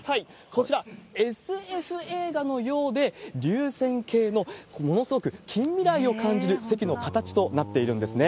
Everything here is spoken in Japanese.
こちら、ＳＦ映画のようで、流線形のものすごく近未来を感じる席の形となっているんですね。